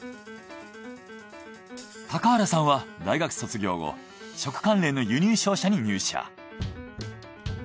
高原さんは大学卒業後食関連の輸入商社に入社。